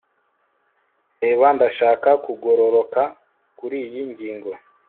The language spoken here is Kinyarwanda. reba, ndashaka kugororoka kuriyi ngingo